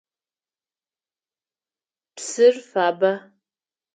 Псыр фабэ.